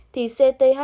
thì cthl đã tự ý